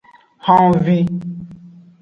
Honvi.